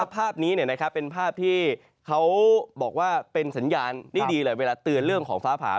ภาพนี้เป็นภาพที่เขาบอกว่าเป็นสัญญาณดีเลยเวลาเตือนเรื่องของฟ้าผา